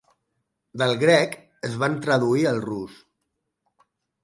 Del grec es van traduir al rus.